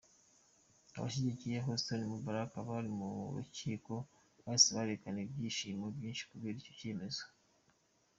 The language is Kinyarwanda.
Abashyigikiye Hosni Mubarak bari mu rukiko bahise berekana ibyishimo byinshi kubera icyo cyemezo.